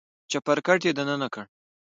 چپرکټ يې دننه کړ.